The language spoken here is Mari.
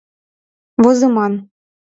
Возыман.